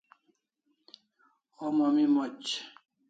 Homa mi moch